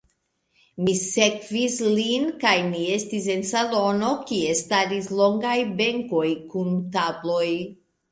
Mi sekvis lin kaj ni estis en salono, kie staris longaj benkoj kun tabloj.